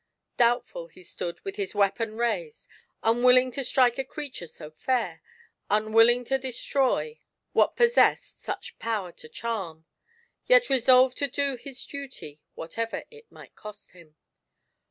Doubtful he stood, with his weapon raised, unwilling to strike a creature so fair, unwilling to destroy what GIANT SELFISHNESS. 61 possessed such power to charm, yet resolved to do his duty, whatever it might cost him.